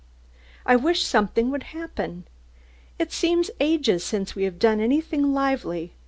I wish something would happen. It seems ages since we have done anything lively.